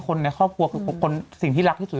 คนในครอบครัวสิ่งที่รักที่สุดอยู่บน